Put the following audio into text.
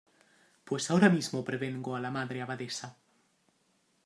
pues ahora mismo prevengo a la Madre Abadesa.